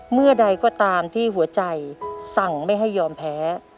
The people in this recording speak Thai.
เมื่อใดก็ตามที่หัวใจสั่งไม่ให้ยอมแพ้